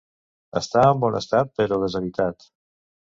Està en bon estat però deshabitat.